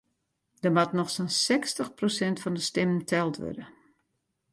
Der moat noch sa'n sechstich prosint fan de stimmen teld wurde.